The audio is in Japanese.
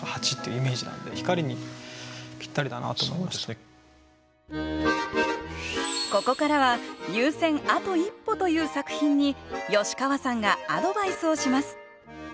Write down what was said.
本当にずっと動いてるからここからは「入選あと一歩」という作品に吉川さんがアドバイスをします。